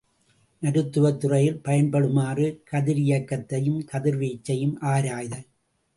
மருத்துவத் துறையில் பயன்படுமாறு கதிரியக்கத்தையும் கதிர்வீச்சையும் ஆராய்தல்.